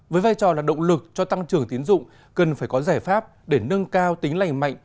với vai trò là động lực cho tăng trưởng tiến dụng cần phải có giải pháp để nâng cao tính lành mạnh